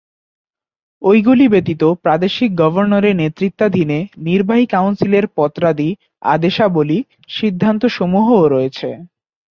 ঐগুলি ব্যতীত প্রাদেশিক গভর্নরের নেতৃত্বাধীনে নির্বাহি কাউন্সিলের পত্রাদি, আদেশাবলি, সিদ্ধান্তসমূহও রয়েছে।